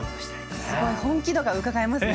すごい本気度がうかがえますね。